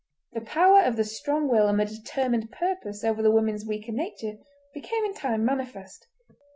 The power of the strong will and the determined purpose over the woman's weaker nature became in time manifest.